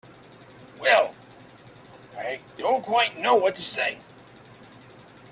Well—I don't quite know what to say.